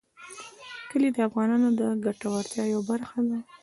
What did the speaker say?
کلي د افغانانو د ګټورتیا یوه برخه ده.